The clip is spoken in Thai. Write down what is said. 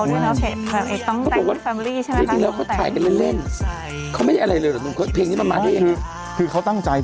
รถติดขนาดไหน